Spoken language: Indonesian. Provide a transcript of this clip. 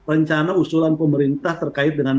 rencana usulan pemerintah terkait dengan